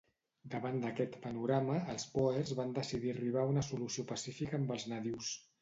Davant d'aquest panorama, els bòers van decidir arribar a una solució pacífica amb els nadius.